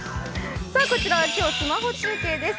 こちらはスマホ中継です。